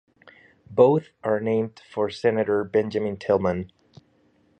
Both are named for Senator Benjamin Tillman.